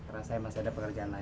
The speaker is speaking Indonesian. rasanya masih ada pekerjaan lain